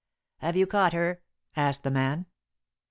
"Have you caught her?" asked the man.